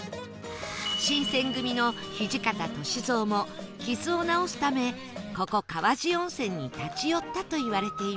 新撰組の土方歳三も傷を治すためここ川治温泉に立ち寄ったといわれています